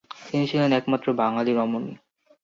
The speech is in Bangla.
তিনি ছিলেন একমাত্র বাঙালি রমণী।